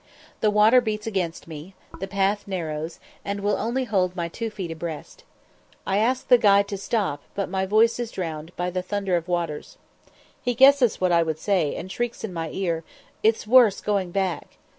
The water beats against me, the path narrows, and will only hold my two feet abreast. I ask the guide to stop, but my voice is drowned by the "Thunder of Waters." He guesses what I would say, and shrieks in my ear, "_It's worse going back.